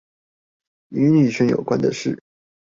與女權有關的事